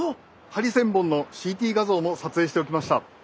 ハリセンボンのＣＴ画像も撮影しておきました。